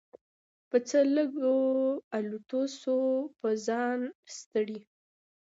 په څه لږو الوتو سو په ځان ستړی